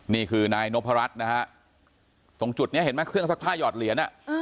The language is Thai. นี่คือนายนพรัชนะฮะตรงจุดนี้เห็นไหมเครื่องซักผ้าหยอดเหรียญ